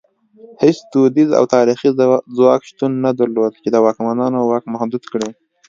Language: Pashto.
هېڅ دودیز او تاریخي ځواک شتون نه درلود چې د واکمنانو واک محدود کړي.